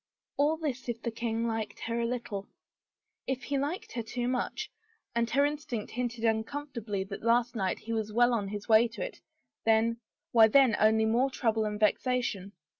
All this if the king liked her a little. If he liked her too much — and her instinct hinted uncomfortably that last night he was well on his way to it — then — why then only more trouble and vexation.